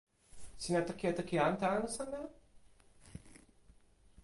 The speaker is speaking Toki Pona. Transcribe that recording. sina toki e toki ante anu seme?